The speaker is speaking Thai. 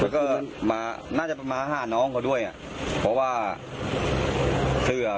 และก็มาน่าจะมาหาร้องเขาด้วยโอเคคือฮ่ะ